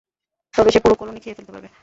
তবে সে পুরো কলোনি খেয়ে ফেলতে পারবে।